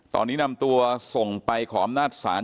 ตอนนี้นำตัวส่งไปขออำนาจศาล